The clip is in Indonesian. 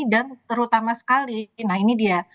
dan terutama sekali nah ini dia